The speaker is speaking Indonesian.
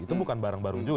itu bukan barang baru juga